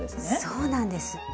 そうなんです。